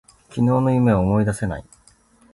昨日の夢を思い出せない。